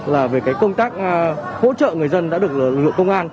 là về cái công tác hỗ trợ người dân đã được lựa công an